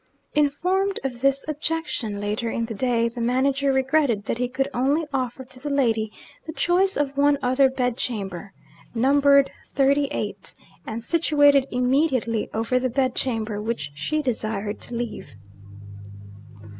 Informed of this objection later in the day, the manager regretted that he could only offer to the lady the choice of one other bedchamber, numbered Thirty eight, and situated immediately over the bedchamber which she desired to leave.